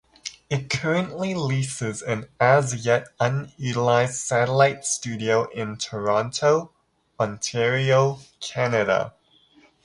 It currently leases an as-yet unutilized satellite studio in Toronto, Ontario, Canada.